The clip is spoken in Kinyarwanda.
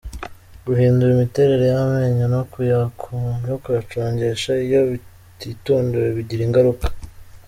Guhindura imiterere y’amenyo no kuyacongesha iyo bititondewe bigira ingaruka